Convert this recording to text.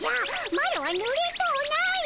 マロはぬれとうない！